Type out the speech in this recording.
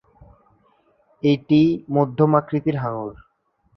এটি মধ্যম আকৃতির হাঙর।